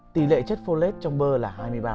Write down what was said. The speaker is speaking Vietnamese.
tỷ lệ chất follete trong bơ là hai mươi ba